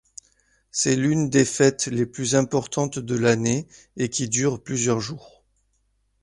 C'est l'une des fêtes les plus importantes de l'année et qui dure plusieurs jours.